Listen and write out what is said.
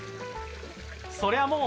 そりゃもう